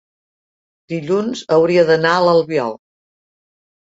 dilluns hauria d'anar a l'Albiol.